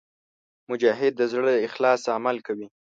مجاهد د زړه له اخلاصه عمل کوي.